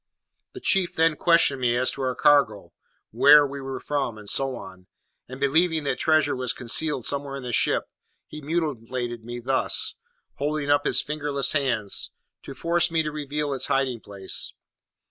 "The chief then questioned me as to our cargo, where we were from, and so on; and believing that treasure was concealed somewhere in the ship, he mutilated me thus," holding up his fingerless hands, "to force me to reveal its hiding place.